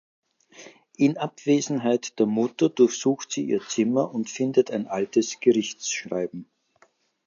In Abwesenheit der Mutter durchsucht sie ihr Zimmer und findet ein altes Gerichtsschreiben.